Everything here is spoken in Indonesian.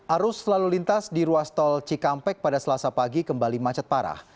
arus lalu lintas di ruas tol cikampek pada selasa pagi kembali macet parah